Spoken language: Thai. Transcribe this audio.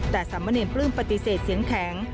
แต่สามเณรปลื้มปฏิเสธเสียงแข็ง